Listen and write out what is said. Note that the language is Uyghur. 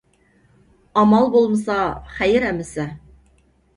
ئامال بولمىسا، خەير ئەمىسە!